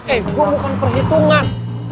eh gua bukan perhitungan